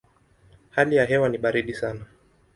Hali ya hewa ni baridi sana.